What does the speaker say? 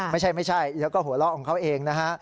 ไม่ใช่แล้วก็หัวล่อของเขาเองนะฮะ